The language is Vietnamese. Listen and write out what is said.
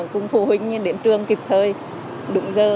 cùng phụ huynh đến trường kịp thời đụng dơ